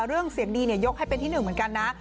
เรื่องเสียงดียกให้เป็นที่หนึ่งเหมือนกันนะ